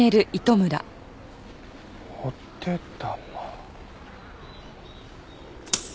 お手玉。